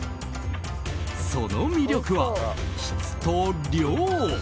その魅力は、質と量。